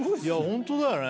ホントだよね。